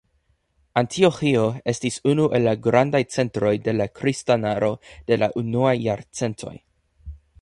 Antioĥio estis unu el la grandaj centroj de la kristanaro de la unuaj jarcentoj.